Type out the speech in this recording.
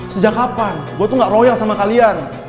sejak kapan gue tuh gak royal sama kalian